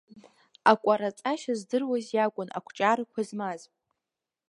Акәараҵашьа здыруаз иакәын ақәҿиарақәа змаз.